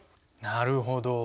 なるほど。